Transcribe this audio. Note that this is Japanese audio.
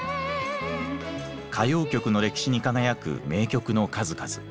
歌謡曲の歴史に輝く名曲の数々。